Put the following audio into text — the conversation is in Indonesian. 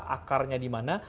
akarnya di mana